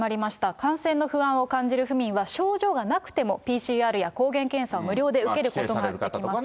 感染の不安を感じる府民は症状がなくても、ＰＣＲや抗原検査を無料で受けることができます。